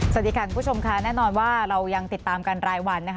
สวัสดีค่ะคุณผู้ชมค่ะแน่นอนว่าเรายังติดตามกันรายวันนะคะ